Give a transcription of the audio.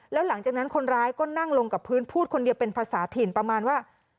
แล้วหลังจากนั้นคนร้ายก็นั่งลงกับพื้นพูดคนเดียวเป็นภาษาถิ่นประมาณว่า